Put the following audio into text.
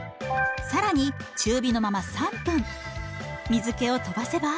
更に中火のまま３分水けを飛ばせば。